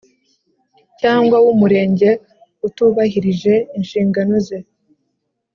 cyangwa w Umurenge utubahirije inshingano ze